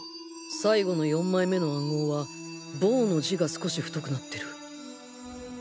最後の４枚目の暗号は「ボウ」の字が少し太くなってる